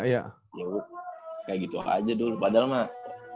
ya gue kayak gitu aja dulu padahal mah